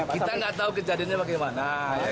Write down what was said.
kita nggak tahu kejadiannya bagaimana